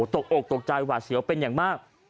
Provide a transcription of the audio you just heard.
ตกอกตกใจหวาดเสียวเป็นอย่างมาก